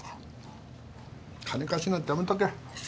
金貸しなんてやめとけ。